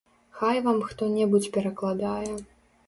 Хай вам хто-небудзь перакладае.